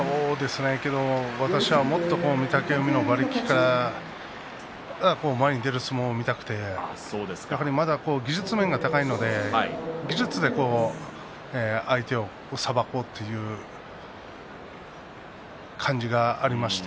私はもっと御嶽海の馬力からもっと前に出る相撲が見たくて技術面が高いので技術で相手をさばこうという感じがありまして。